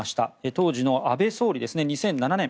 当時の安倍総理ですね２００７年。